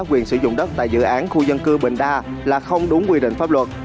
quyền sử dụng đất tại dự án khu dân cư bình đa là không đúng quy định pháp luật